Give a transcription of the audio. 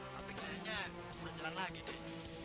tapi kayaknya udah jalan lagi deh